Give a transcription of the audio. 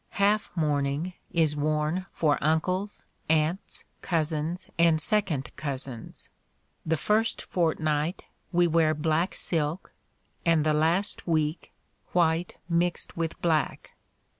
Half mourning is worn for uncles, aunts, cousins, and second cousins. The first fortnight we wear black silk, and the last week, white mixed with black.